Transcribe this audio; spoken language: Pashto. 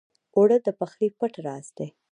اوړه د پخلي پټ راز دی